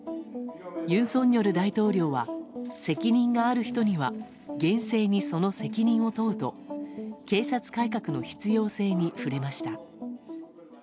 尹錫悦大統領は責任がある人には厳正にその責任を問うと警察改革の必要性に触れました。